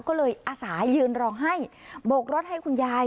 ก็เลยอาสายืนรอให้โบกรถให้คุณยาย